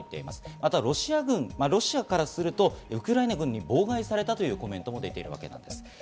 またロシア軍、ロシアからするとウクライナ軍に妨害されたというコメントも出ています。